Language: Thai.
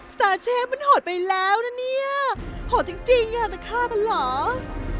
สตาร์เชฟมันโหดไปแล้วนะเนี่ยโหดจริงอยากจะฆ่ามันเหรอ